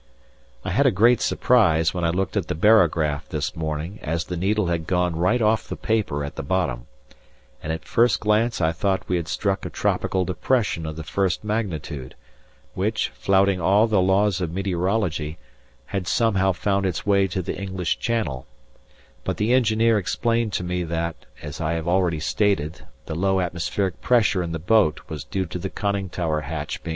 I had a great surprise when I looked at the barograph this morning as the needle had gone right off the paper at the bottom, and at first glance I thought we had struck a tropical depression of the first magnitude, which, flouting all the laws of meteorology, had somehow found its way to the English Channel; but the engineer explained to me that, as I have already stated, the low atmospheric pressure in the boat was due to the conning tower hatch being shut down.